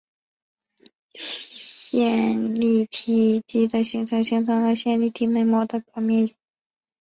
线粒体嵴的形成增大了线粒体内膜的表面积。